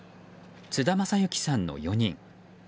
津田正行さんの４人。